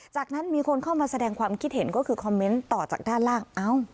จากนั้นมีคนเข้ามาแสดงความคิดเห็นก็คือคอมเมนต์ต่อจากด้านล่าง